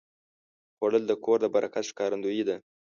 خوړل د کور د برکت ښکارندویي ده